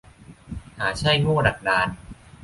หาใช่โง่ดักดาน